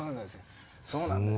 そうなんです。